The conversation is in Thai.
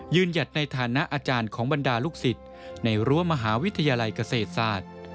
หยัดในฐานะอาจารย์ของบรรดาลูกศิษย์ในรั้วมหาวิทยาลัยเกษตรศาสตร์